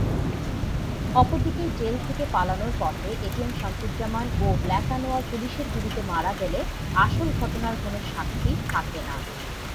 অপরদিকে জেল থেকে পালানোর পথে এটিএম শামসুজ্জামান ও ব্ল্যাক আনোয়ার পুলিশের গুলিতে মারা গেলে আসল ঘটনার কোন সাক্ষী থাকে না।